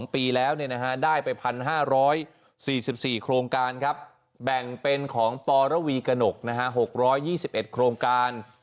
๒ปีแล้วได้ไป๑๕๔๔โครงการครับแบ่งเป็นของปรวีกระหนก๖๒๑โครงการ